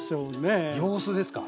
様子ですか？